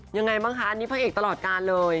ยังไงบ้างคะอันนี้พระเอกตลอดการเลย